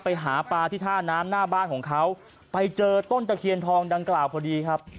ไปหาปลาที่ท่าน้ำหน้าบ้านของเขาไปเจอต้นตะเคียนทองดังกล่าวพอดีครับ